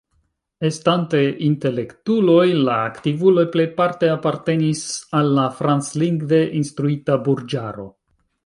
Estante intelektuloj, la aktivuloj plejparte apartenis al la franclingve instruita burĝaro.